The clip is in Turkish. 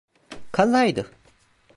Kazaydı.